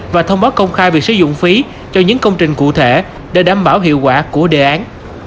và thông báo công khai việc sử dụng phí cho những công trình cụ thể để đảm bảo hiệu quả của đề án